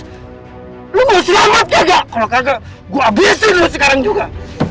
kamu mau selamat atau tidak kalau tidak saya akan habiskan kamu sekarang juga